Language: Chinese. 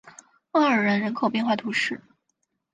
阿尔然人口变化图示